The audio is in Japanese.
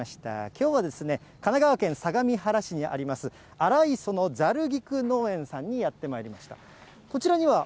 きょうは、神奈川県相模原市にあります、新磯のざる菊農園さんにやってまいりました。